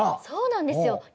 そうなんですよ。